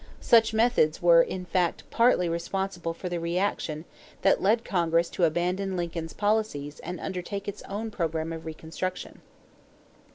Such methods were in fact partly responsible for the reaction that led Congress to abandon Lincoln's policies and undertake its own program of reconstruction.